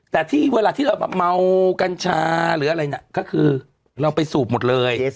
แต่ที่เวลาที่เรามีการ